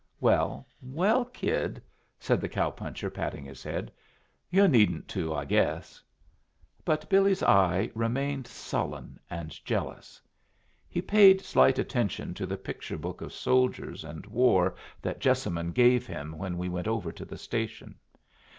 "Well, well, kid," said the cow puncher, patting his head, "yu' needn't to, I guess." But Billy's eye remained sullen and jealous. He paid slight attention to the picture book of soldiers and war that Jessamine gave him when we went over to the station.